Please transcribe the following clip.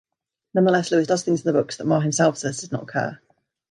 Nonetheless, Lewis does things in the book that Ma himself says did not occur.